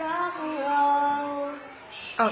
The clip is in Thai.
คนไทยวันนี้ไม่มีความ